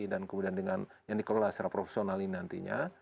dan kemudian dengan yang dikelola secara profesional ini nantinya